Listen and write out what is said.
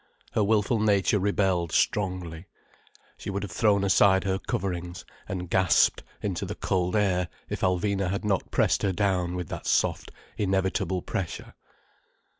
Her wilful nature rebelled strongly. She would have thrown aside her coverings and gasped into the cold air, if Alvina had not pressed her down with that soft, inevitable pressure.